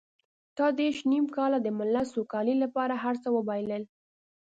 تا دېرش نيم کاله د ملت سوکالۍ لپاره هر څه وبایلل.